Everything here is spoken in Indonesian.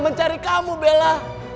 mencari kamu bella